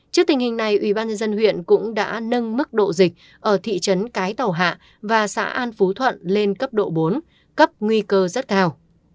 trước tình hình này ubnd huyện cũng đã nâng mức độ dịch ở thị trấn cái tàu hạ và xã an phú thuận lên cấp độ bốn cấp nguy cơ rất cao